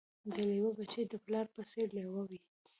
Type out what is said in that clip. د لېوه بچی د پلار په څېر لېوه وي